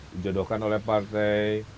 dijodohkan oleh partai